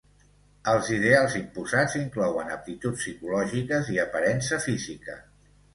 Els ideals imposats inclouen aptituds psicològiques i aparença física.